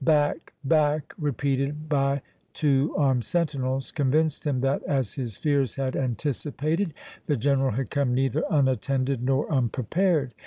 "Back— back!" repeated by two armed sentinels, convinced him that, as his fears had anticipated, the General had come neither unattended nor unprepared.